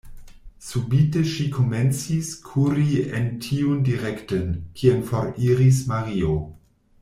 Subite ŝi komencis kuri en tiun direkten, kien foriris Mario.